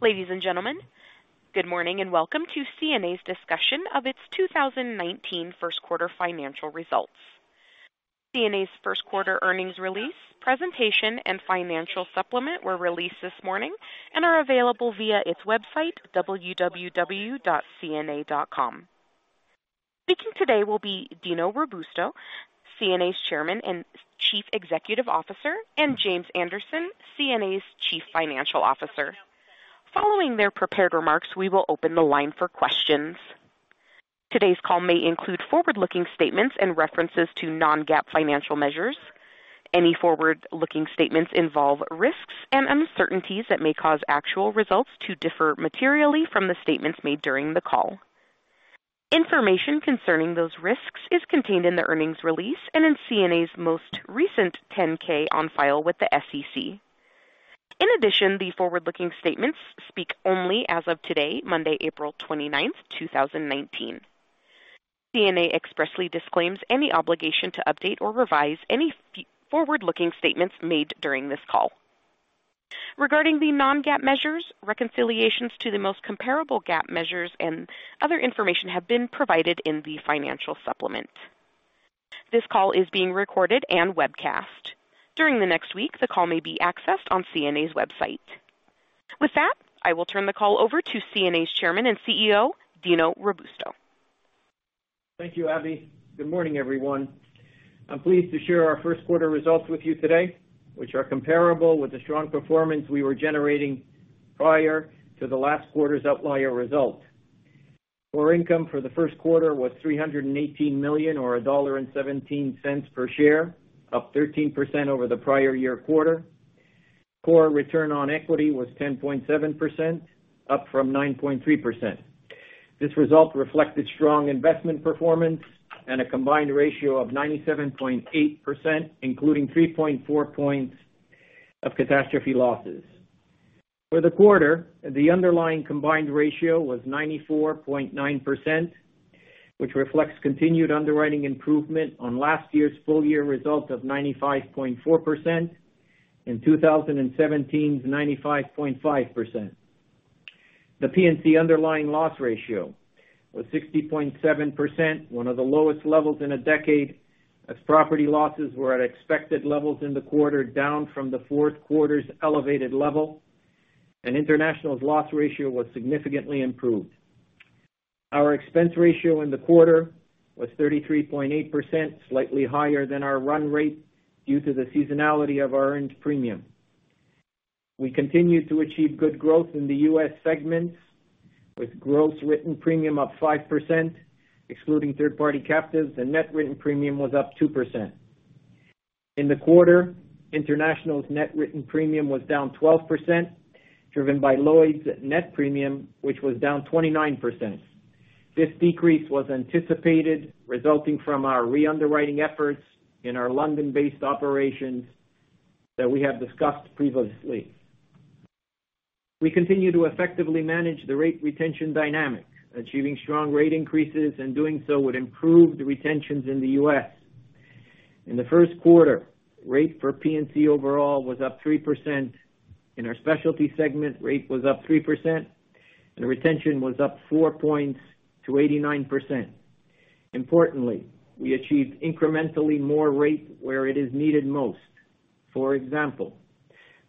Ladies and gentlemen, good morning and welcome to CNA's discussion of its 2019 first quarter financial results. CNA's first quarter earnings release, presentation, and financial supplement were released this morning and are available via its website, www.cna.com. Speaking today will be Dino Robusto, CNA's Chairman and Chief Executive Officer, and James Anderson, CNA's Chief Financial Officer. Following their prepared remarks, we will open the line for questions. Today's call may include forward-looking statements and references to non-GAAP financial measures. Any forward-looking statements involve risks and uncertainties that may cause actual results to differ materially from the statements made during the call. Information concerning those risks is contained in the earnings release and in CNA's most recent 10-K on file with the SEC. The forward-looking statements speak only as of today, Monday, April 29th, 2019. CNA expressly disclaims any obligation to update or revise any forward-looking statements made during this call. Regarding the non-GAAP measures, reconciliations to the most comparable GAAP measures and other information have been provided in the financial supplement. This call is being recorded and webcast. During the next week, the call may be accessed on CNA's website. With that, I will turn the call over to CNA's Chairman and CEO, Dino Robusto. Thank you, Abby. Good morning, everyone. I'm pleased to share our first quarter results with you today, which are comparable with the strong performance we were generating prior to the last quarter's outlier result. Core income for the first quarter was $318 million, or $1.17 per share, up 13% over the prior year quarter. Core return on equity was 10.7%, up from 9.3%. This result reflected strong investment performance and a combined ratio of 97.8%, including 3.4 points of catastrophe losses. For the quarter, the underlying combined ratio was 94.9%, which reflects continued underwriting improvement on last year's full-year result of 95.4% and 2017's 95.5%. The P&C underlying loss ratio was 60.7%, one of the lowest levels in a decade, as property losses were at expected levels in the quarter down from the fourth quarter's elevated level, and international's loss ratio was significantly improved. Our expense ratio in the quarter was 33.8%, slightly higher than our run rate due to the seasonality of our earned premium. We continued to achieve good growth in the U.S. segments with gross written premium up 5%, excluding third-party captives, and net written premium was up 2%. In the quarter, international's net written premium was down 12%, driven by Lloyd's net premium, which was down 29%. This decrease was anticipated, resulting from our re-underwriting efforts in our London-based operations that we have discussed previously. We continue to effectively manage the rate retention dynamic, achieving strong rate increases, and doing so would improve the retentions in the U.S. In the first quarter, rate for P&C overall was up 3%. In our specialty segment, rate was up 3%, and retention was up four points to 89%. Importantly, we achieved incrementally more rate where it is needed most. For example,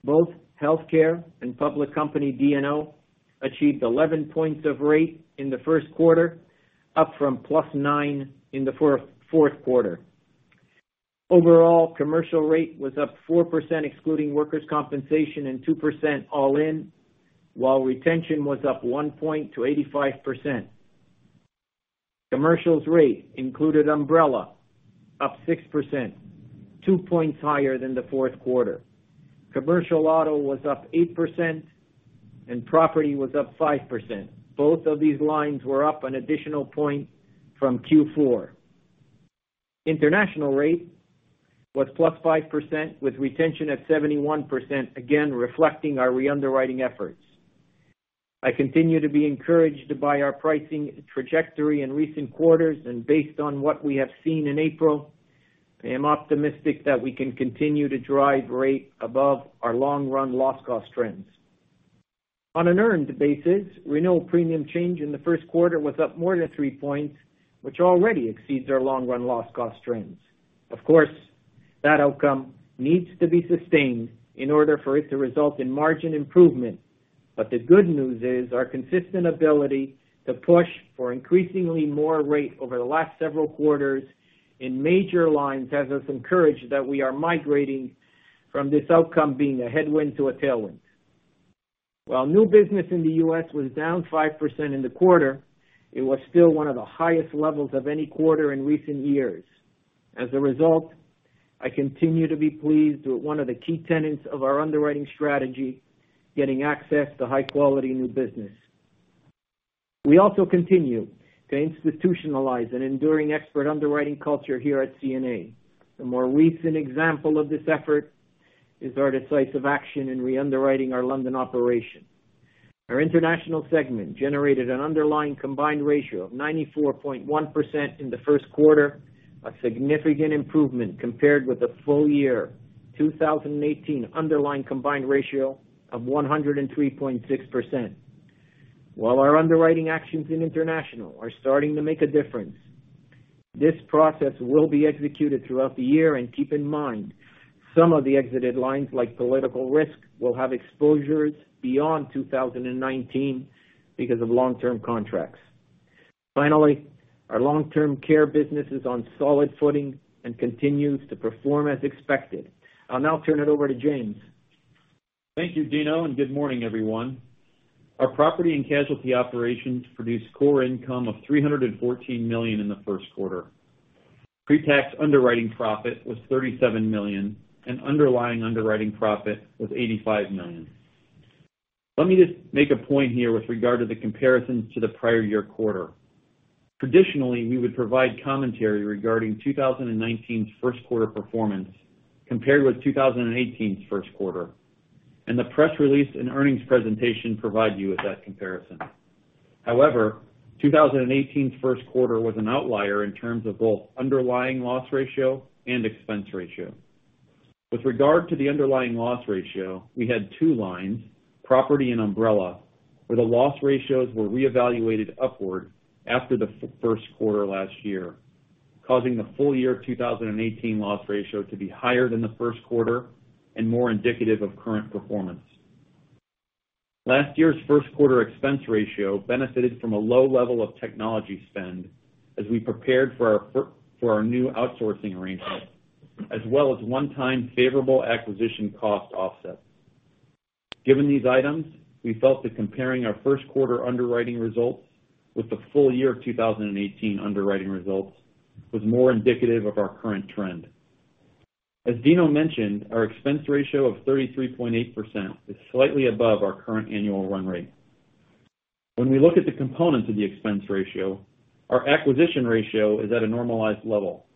both healthcare and public company D&O achieved 11 points of rate in the first quarter, up from plus nine in the fourth quarter. Overall, commercial rate was up 4%, excluding workers' compensation, and 2% all in, while retention was up one point to 85%. Commercial's rate included umbrella up 6%, two points higher than the fourth quarter. Commercial auto was up 8% and property was up 5%. Both of these lines were up an additional point from Q4. International rate was +5% with retention at 71%, again, reflecting our re-underwriting efforts. I continue to be encouraged by our pricing trajectory in recent quarters, and based on what we have seen in April, I am optimistic that we can continue to drive rate above our long-run loss cost trends. On an earned basis, renewal premium change in the first quarter was up more than three points, which already exceeds our long-run loss cost trends. Of course, that outcome needs to be sustained in order for it to result in margin improvement. The good news is our consistent ability to push for increasingly more rate over the last several quarters in major lines has us encouraged that we are migrating from this outcome being a headwind to a tailwind. While new business in the U.S. was down 5% in the quarter, it was still one of the highest levels of any quarter in recent years. As a result, I continue to be pleased with one of the key tenets of our underwriting strategy, getting access to high-quality new business. We also continue to institutionalize an enduring expert underwriting culture here at CNA. The more recent example of this effort is our decisive action in re-underwriting our London operation. Our international segment generated an underlying combined ratio of 94.1% in the first quarter. A significant improvement compared with the full year 2018 underlying combined ratio of 103.6%. While our underwriting actions in international are starting to make a difference, this process will be executed throughout the year. Keep in mind, some of the exited lines, like political risk, will have exposures beyond 2019 because of long-term contracts. Finally, our long-term care business is on solid footing and continues to perform as expected. I'll now turn it over to James. Thank you, Dino, and good morning, everyone. Our property and casualty operations produced core income of $314 million in the first quarter. Pre-tax underwriting profit was $37 million, and underlying underwriting profit was $85 million. Let me just make a point here with regard to the comparisons to the prior year quarter. Traditionally, we would provide commentary regarding 2019's first quarter performance compared with 2018's first quarter, and the press release and earnings presentation provide you with that comparison. However, 2018's first quarter was an outlier in terms of both underlying loss ratio and expense ratio. With regard to the underlying loss ratio, we had two lines, property and umbrella, where the loss ratios were reevaluated upward after the first quarter last year, causing the full year 2018 loss ratio to be higher than the first quarter and more indicative of current performance. Last year's first-quarter expense ratio benefited from a low level of technology spend as we prepared for our new outsourcing arrangement, as well as one-time favorable acquisition cost offsets. Given these items, we felt that comparing our first-quarter underwriting results with the full year 2018 underwriting results was more indicative of our current trend. As Dino mentioned, our expense ratio of 33.8% is slightly above our current annual run rate. When we look at the components of the expense ratio, our acquisition ratio is at a normalized level,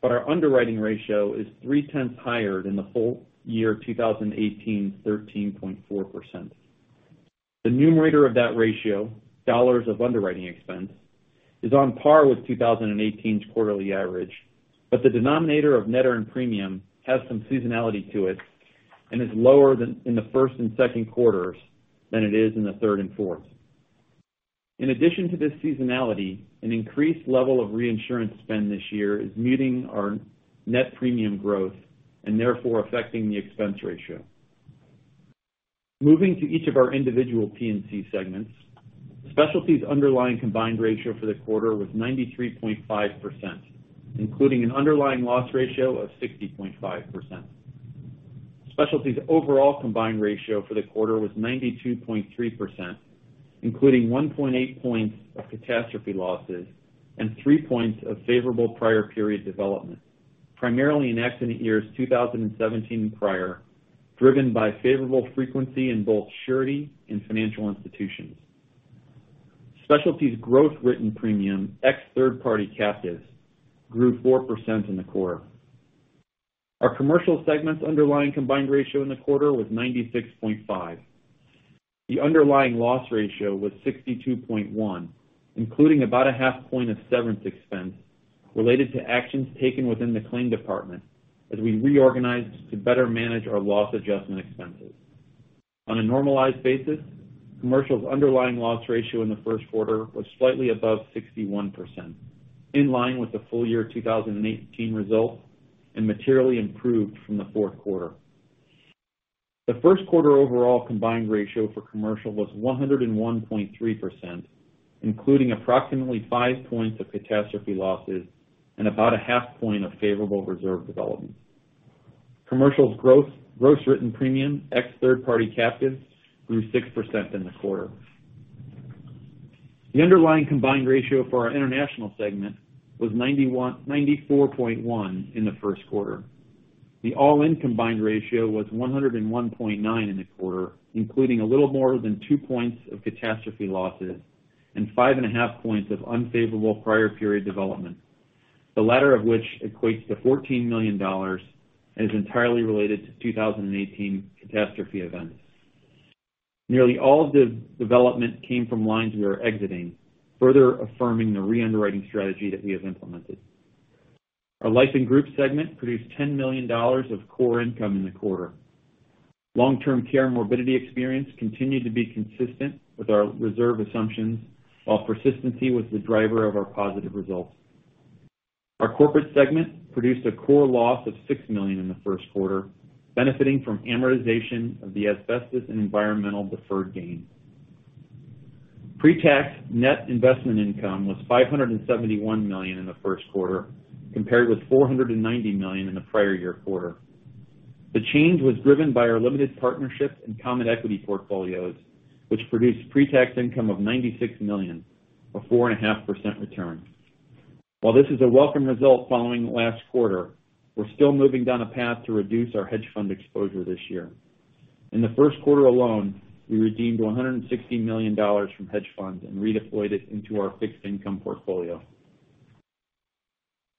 but our underwriting ratio is three-tenths higher than the full year 2018 13.4%. The numerator of that ratio, dollars of underwriting expense, is on par with 2018's quarterly average, but the denominator of net earned premium has some seasonality to it and is lower in the first and second quarters than it is in the third and fourth. In addition to this seasonality, an increased level of reinsurance spend this year is muting our net premium growth and therefore affecting the expense ratio. Moving to each of our individual P&C segments, Specialties' underlying combined ratio for the quarter was 93.5%, including an underlying loss ratio of 60.5%. Specialties' overall combined ratio for the quarter was 92.3%, including 1.8 points of catastrophe losses and three points of favorable prior period development, primarily in accident years 2017 and prior, driven by favorable frequency in both surety and financial institutions. Specialties' gross written premium, ex third-party captives, grew 4% in the quarter. Our Commercial segment's underlying combined ratio in the quarter was 96.5. The underlying loss ratio was 62.1, including about a half point of severance expense related to actions taken within the claim department as we reorganized to better manage our loss adjustment expenses. On a normalized basis, Commercial's underlying loss ratio in the first quarter was slightly above 61%, in line with the full year 2018 results, and materially improved from the fourth quarter. The first quarter overall combined ratio for Commercial was 101.3%, including approximately five points of catastrophe losses and about a half point of favorable reserve development. Commercial's gross written premium, ex third-party captives, grew 6% in the quarter. The underlying combined ratio for our International segment was 94.1 in the first quarter. The all-in combined ratio was 101.9 in the quarter, including a little more than two points of catastrophe losses and five and a half points of unfavorable prior period development, the latter of which equates to $14 million and is entirely related to 2018 catastrophe events. Nearly all of the development came from lines we are exiting, further affirming the re-underwriting strategy that we have implemented. Our Life and Group segment produced $10 million of core income in the quarter. Long-term care morbidity experience continued to be consistent with our reserve assumptions, while persistency was the driver of our positive results. Our Corporate segment produced a core loss of $6 million in the first quarter, benefiting from amortization of the asbestos and environmental deferred gain. Pre-tax net investment income was $571 million in the first quarter, compared with $490 million in the prior year quarter. The change was driven by our limited partnership and common equity portfolios, which produced pre-tax income of $96 million, a 4.5% return. While this is a welcome result following last quarter, we're still moving down a path to reduce our hedge fund exposure this year. In the first quarter alone, we redeemed $160 million from hedge funds and redeployed it into our fixed income portfolio.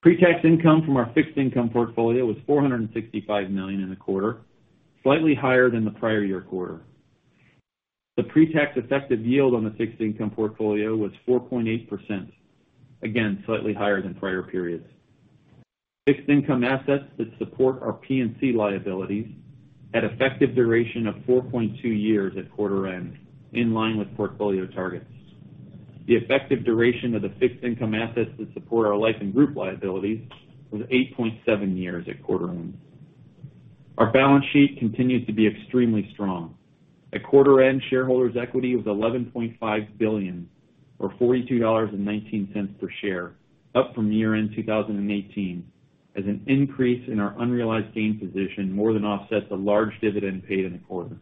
Pre-tax income from our fixed income portfolio was $465 million in the quarter, slightly higher than the prior year quarter. The pre-tax effective yield on the fixed income portfolio was 4.8%, again, slightly higher than prior periods. Fixed income assets that support our P&C liabilities had effective duration of 4.2 years at quarter end, in line with portfolio targets. The effective duration of the fixed income assets that support our life and group liabilities was 8.7 years at quarter end. Our balance sheet continues to be extremely strong. At quarter end, shareholders' equity was $11.5 billion, or $42.19 per share, up from year-end 2018, as an increase in our unrealized gain position more than offsets a large dividend paid in the quarter.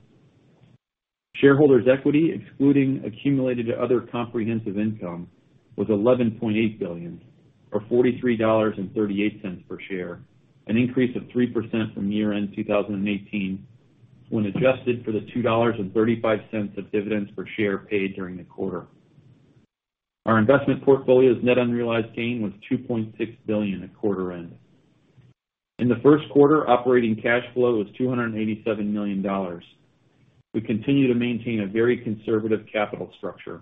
Shareholders' equity, excluding accumulated other comprehensive income, was $11.8 billion or $43.38 per share, an increase of 3% from year-end 2018, when adjusted for the $2.35 of dividends per share paid during the quarter. Our investment portfolio's net unrealized gain was $2.6 billion at quarter end. In the first quarter, operating cash flow was $287 million. We continue to maintain a very conservative capital structure.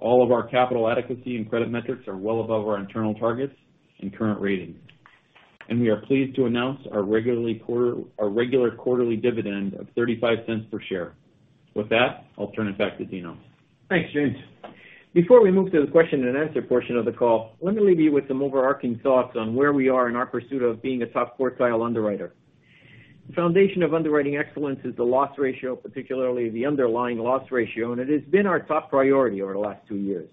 All of our capital adequacy and credit metrics are well above our internal targets and current ratings. We are pleased to announce our regular quarterly dividend of $0.35 per share. With that, I'll turn it back to Dino. Thanks, James. Before we move to the question and answer portion of the call, let me leave you with some overarching thoughts on where we are in our pursuit of being a top quartile underwriter. The foundation of underwriting excellence is the loss ratio, particularly the underlying loss ratio, and it has been our top priority over the last two years.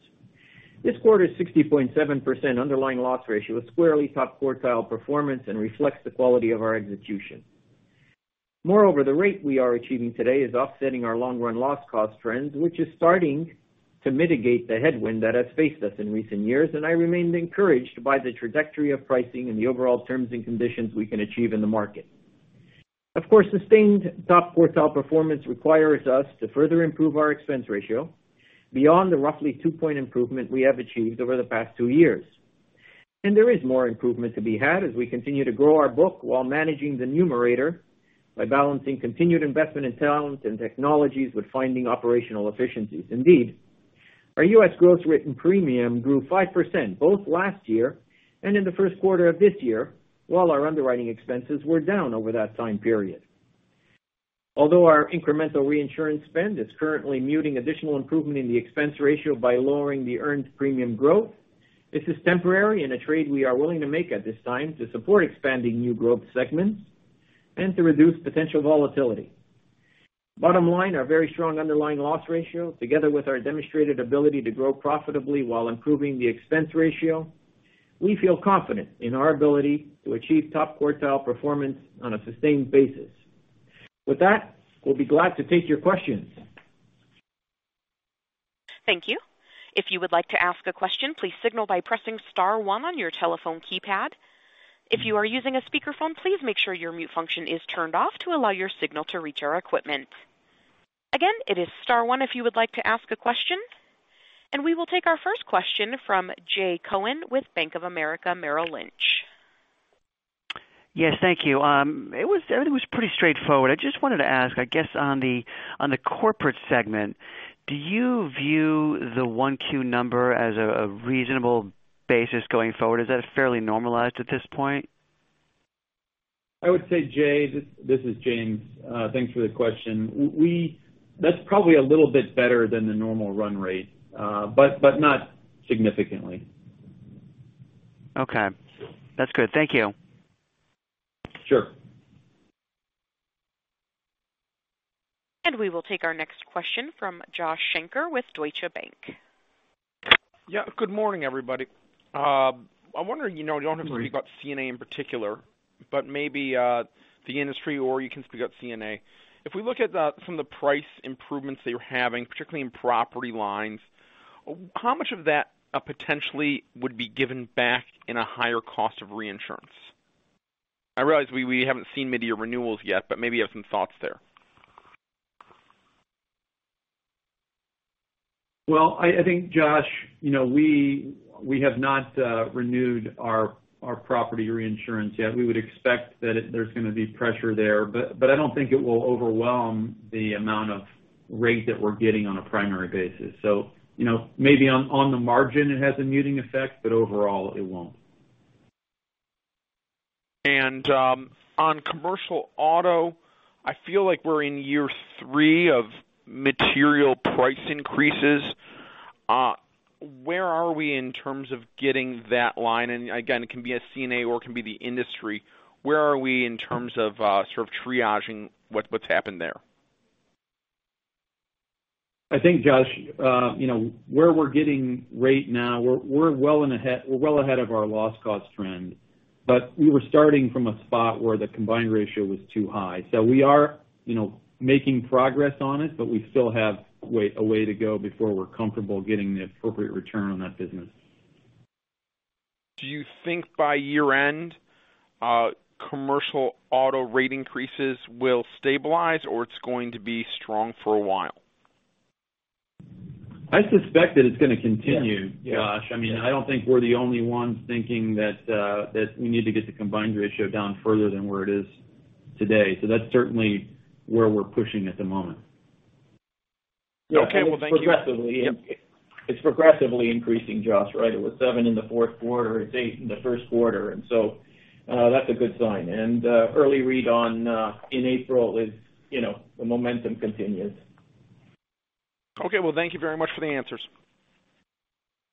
This quarter's 60.7% underlying loss ratio is squarely top quartile performance and reflects the quality of our execution. Moreover, the rate we are achieving today is offsetting our long-run loss cost trends, which is starting to mitigate the headwind that has faced us in recent years. I remain encouraged by the trajectory of pricing and the overall terms and conditions we can achieve in the market. Of course, sustained top quartile performance requires us to further improve our expense ratio beyond the roughly two-point improvement we have achieved over the past two years. There is more improvement to be had as we continue to grow our book while managing the numerator by balancing continued investment in talent and technologies with finding operational efficiencies. Indeed, our U.S. gross written premium grew 5%, both last year and in the first quarter of this year, while our underwriting expenses were down over that time period. Although our incremental reinsurance spend is currently muting additional improvement in the expense ratio by lowering the earned premium growth, this is temporary and a trade we are willing to make at this time to support expanding new growth segments and to reduce potential volatility. Bottom line, our very strong underlying loss ratio, together with our demonstrated ability to grow profitably while improving the expense ratio, we feel confident in our ability to achieve top quartile performance on a sustained basis. With that, we'll be glad to take your questions. Thank you. If you would like to ask a question, please signal by pressing *1 on your telephone keypad. If you are using a speakerphone, please make sure your mute function is turned off to allow your signal to reach our equipment. Again, it is *1 if you would like to ask a question. We will take our first question from Jay Cohen with Bank of America Merrill Lynch. Yes, thank you. Everything was pretty straightforward. I just wanted to ask, I guess, on the corporate segment, do you view the 1Q number as a reasonable basis going forward? Is that fairly normalized at this point? I would say, Jay, this is James. Thanks for the question. That's probably a little bit better than the normal run rate, but not significantly. Okay. That's good. Thank you. Sure. We will take our next question from Joshua Shanker with Deutsche Bank. Yeah. Good morning, everybody. I wonder, you don't have to worry about CNA in particular, but maybe the industry or you can speak about CNA. If we look at some of the price improvements that you're having, particularly in property lines, how much of that potentially would be given back in a higher cost of reinsurance? I realize we haven't seen many of your renewals yet, but maybe you have some thoughts there. I think, Josh, we have not renewed our property reinsurance yet. We would expect that there's going to be pressure there. I don't think it will overwhelm the amount of rate that we're getting on a primary basis. Maybe on the margin, it has a muting effect, but overall, it won't. On commercial auto, I feel like we're in year three of material price increases. Where are we in terms of getting that line? Again, it can be at CNA or it can be the industry. Where are we in terms of sort of triaging what's happened there? I think, Josh, where we're getting rate now, we're well ahead of our loss cost trend. We were starting from a spot where the combined ratio was too high. We are making progress on it, but we still have a way to go before we're comfortable getting the appropriate return on that business. Do you think by year-end, commercial auto rate increases will stabilize, or it's going to be strong for a while? I suspect that it's going to continue, Josh. I don't think we're the only ones thinking that we need to get the combined ratio down further than where it is today. That's certainly where we're pushing at the moment. Okay. Well, thank you. It's progressively increasing, Josh, right? It was seven in the fourth quarter. It's eight in the first quarter. That's a good sign. Early read in April is the momentum continues. Okay. Well, thank you very much for the answers.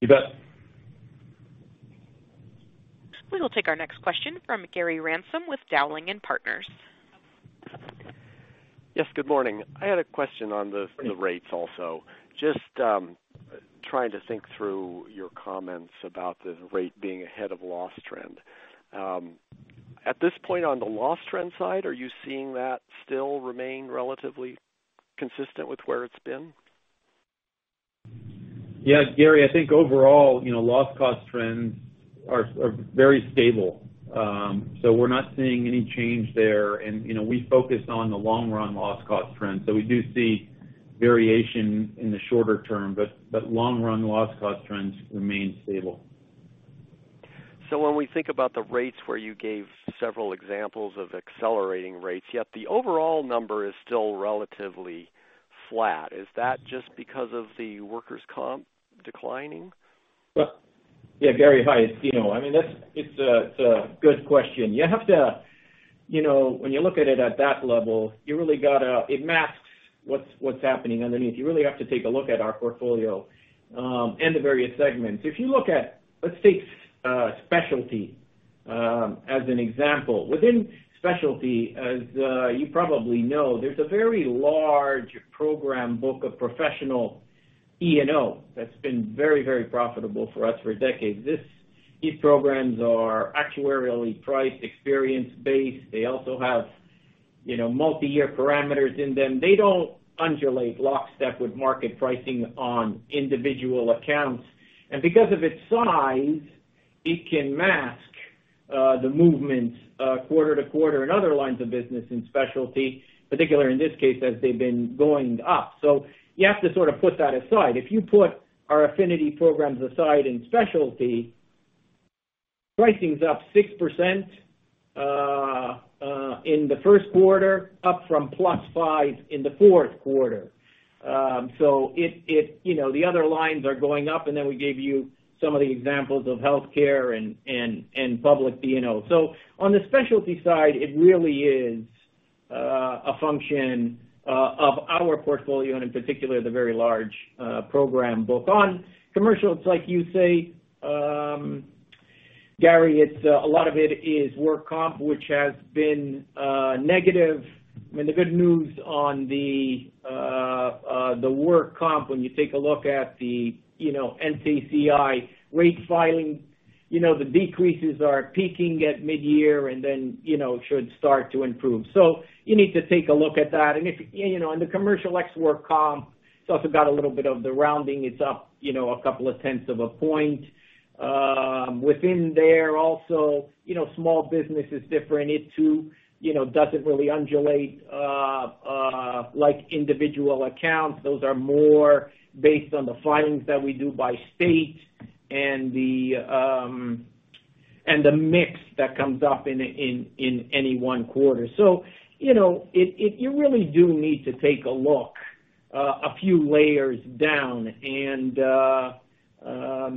You bet. We will take our next question from Gary Ransom with Dowling and Partners. Yes, good morning. I had a question on the rates also. Just trying to think through your comments about the rate being ahead of loss trend. At this point on the loss trend side, are you seeing that still remain relatively consistent with where it's been? Yes, Gary, I think overall, loss cost trends are very stable. We're not seeing any change there. We focus on the long-run loss cost trends. We do see variation in the shorter term, but long-run loss cost trends remain stable. When we think about the rates where you gave several examples of accelerating rates, yet the overall number is still relatively flat, is that just because of the workers' comp declining? Yeah, Gary. It's a good question. When you look at it at that level, it masks what's happening underneath. You really have to take a look at our portfolio, and the various segments. If you look at, let's take specialty as an example. Within specialty, as you probably know, there's a very large program book of professional E&O that's been very profitable for us for decades. These programs are actuarially priced, experience-based. They also have multi-year parameters in them. They don't undulate lockstep with market pricing on individual accounts. Because of its size, it can mask the movements quarter to quarter in other lines of business in specialty, particularly in this case, as they've been going up. You have to sort of put that aside. If you put our affinity programs aside in specialty, pricing's up 6% in the first quarter, up from plus 5 in the fourth quarter. The other lines are going up, we gave you some of the examples of healthcare and public D&O. On the specialty side, it really is a function of our portfolio, and in particular, the very large program book. On commercial, it's like you say, Gary, a lot of it is work comp, which has been negative. The good news on the work comp, when you take a look at the NCCI rates filing, the decreases are peaking at mid-year and then should start to improve. You need to take a look at that. In the commercial ex work comp, it's also got a little bit of the rounding. It's up a couple of tenths of a point. Within there also, small business is different. It too doesn't really undulate like individual accounts. Those are more based on the filings that we do by state and the mix that comes up in any one quarter. You really do need to take a look a few layers down, and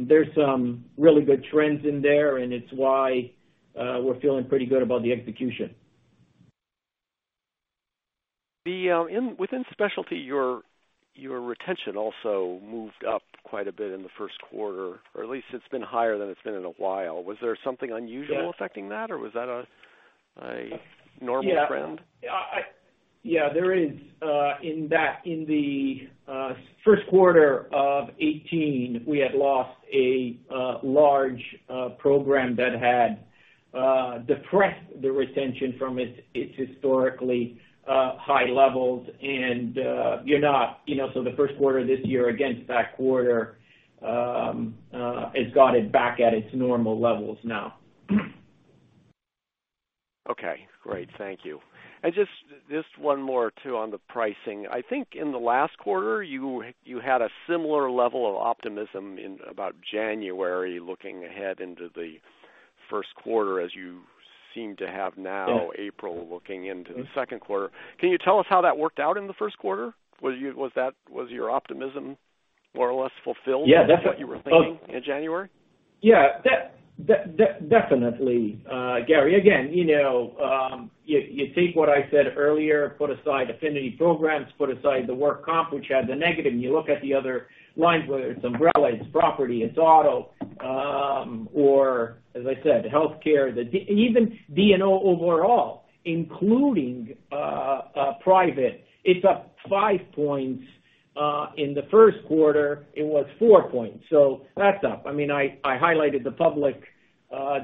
there's some really good trends in there, and it's why we're feeling pretty good about the execution. Within specialty, your retention also moved up quite a bit in the first quarter, or at least it's been higher than it's been in a while. Was there something unusual affecting that, or was that a normal trend? Yeah, there is in that in the first quarter of 2018, we had lost a large program that had depressed the retention from its historically high levels. The first quarter this year against that quarter has got it back at its normal levels now. Okay, great. Thank you. Just one more, too, on the pricing. I think in the last quarter, you had a similar level of optimism in about January, looking ahead into the first quarter as you seem to have now, April, looking into the second quarter. Can you tell us how that worked out in the first quarter? Was your optimism more or less fulfilled? Yeah, definitely what you were thinking in January? Yeah. Definitely, Gary. Again, you take what I said earlier, put aside affinity programs, put aside the work comp, which had the negative, and you look at the other lines, whether it's umbrella, it's property, it's auto, or as I said, healthcare. Even D&O overall, including private, it's up 5 points. In the first quarter, it was 4 points. That's up. I highlighted the public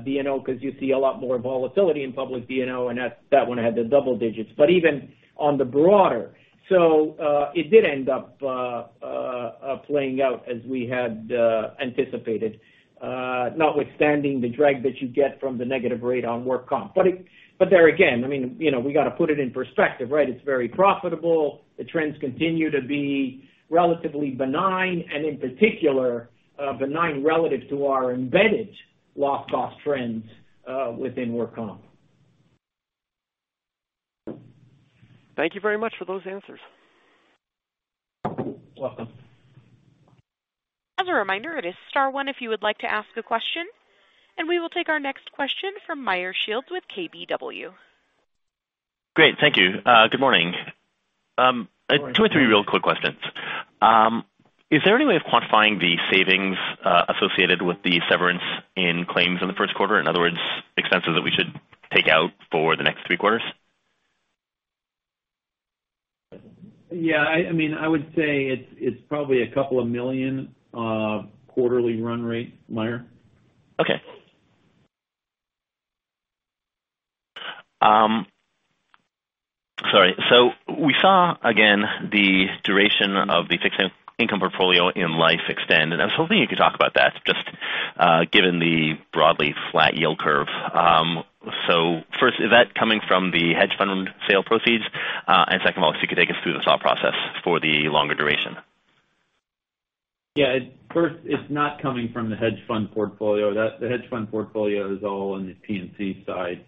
D&O because you see a lot more volatility in public D&O, and that one had the double digits. Even on the broader. It did end up playing out as we had anticipated. Notwithstanding the drag that you get from the negative rate on work comp. There again, we got to put it in perspective, right? It's very profitable. The trends continue to be relatively benign, and in particular, benign relative to our embedded loss cost trends within work comp. Thank you very much for those answers. You're welcome. As a reminder, it is star one if you would like to ask a question. We will take our next question from Meyer Shields with KBW. Great. Thank you. Good morning. Two or three real quick questions. Is there any way of quantifying the savings associated with the severance in claims in the first quarter? In other words, expenses that we should take out for the next three quarters? Yeah. I would say it's probably a couple of million quarterly run rate, Meyer. Okay. Sorry. We saw, again, the duration of the fixed income portfolio in life extend, and I was hoping you could talk about that, just given the broadly flat yield curve. First, is that coming from the hedge fund sale proceeds? Second of all, if you could take us through the thought process for the longer duration. Yeah. First, it's not coming from the hedge fund portfolio. The hedge fund portfolio is all on the P&C side.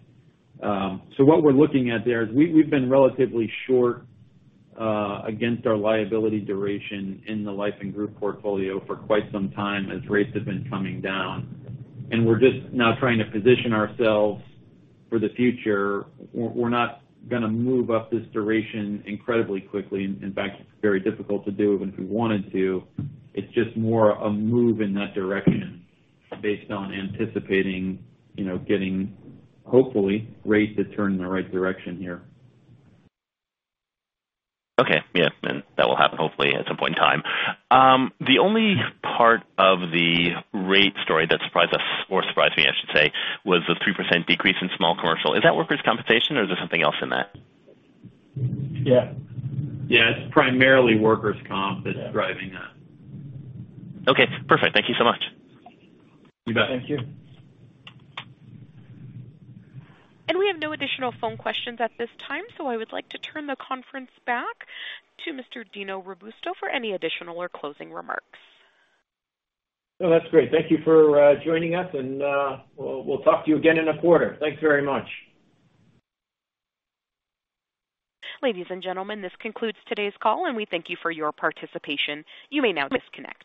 What we're looking at there is we've been relatively short against our liability duration in the life and group portfolio for quite some time as rates have been coming down. We're just now trying to position ourselves for the future. We're not going to move up this duration incredibly quickly. In fact, it's very difficult to do even if we wanted to. It's just more a move in that direction based on anticipating getting, hopefully, rates to turn in the right direction here. Okay. Yeah. That will happen hopefully at some point in time. The only part of the rate story that surprised us, or surprised me I should say, was the 3% decrease in small commercial. Is that workers' compensation or is there something else in that? Yeah. Yeah. It's primarily workers' comp that's driving that. Okay, perfect. Thank you so much. You bet. Thank you. We have no additional phone questions at this time, so I would like to turn the conference back to Mr. Dino Robusto for any additional or closing remarks. No, that's great. Thank you for joining us, and we'll talk to you again in a quarter. Thanks very much. Ladies and gentlemen, this concludes today's call, and we thank you for your participation. You may now disconnect.